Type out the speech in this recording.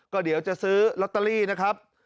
ก็เดี๋ยวจะซื้อลอตเตอรี่นะครับ